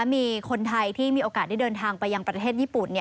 มีคนไทยที่มีโอกาสได้เดินทางไปยังประเทศญี่ปุ่น